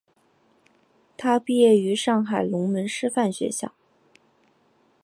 他毕业于上海龙门师范学校。